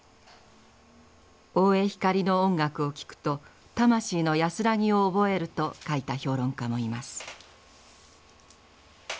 大江光の音楽を聴くと魂の安らぎを覚えると書いた評論家もいます。